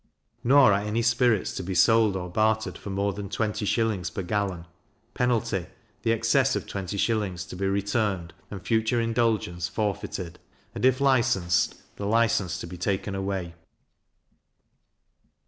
Nor are any spirits to be sold or bartered for more than 20s. per gallon; penalty, the excess of 20s. to be returned, and future indulgence forfeited; and, if licensed, the license to be taken away.